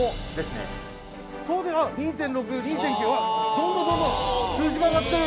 どんどんどんどん数字が上がってる！